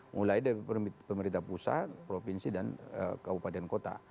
mulai dari pemerintah pusat provinsi dan kabupaten kota